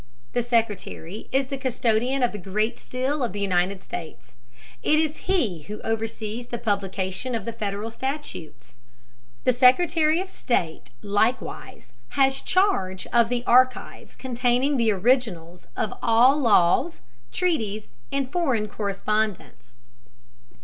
The Secretary is the custodian of the Great Seal of the United States. It is he who oversees the publication of the Federal statutes. The Secretary of State likewise has charge of the archives containing the originals of all laws, treaties, and foreign correspondence.